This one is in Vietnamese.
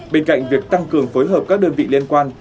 bên cạnh việc tăng cường phối hợp các đơn vị liên quan